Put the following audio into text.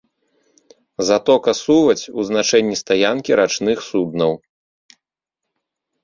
Затока-сувадзь, у значэнні стаянкі рачных суднаў.